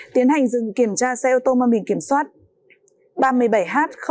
tiến hành dừng kiểm tra xe ô tô mà mình kiểm soát